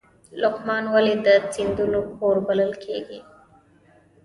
لغمان ولې د سیندونو کور بلل کیږي؟